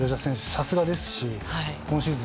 さすがですし、今シーズン